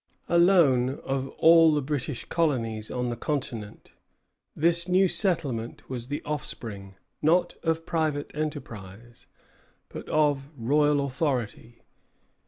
Alone of all the British colonies on the continent, this new settlement was the offspring, not of private enterprise, but of royal authority.